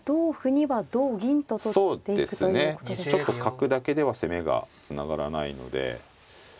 角だけでは攻めがつながらないので。